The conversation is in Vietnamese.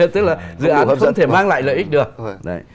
tức là dự án không thể mang lại lợi ích được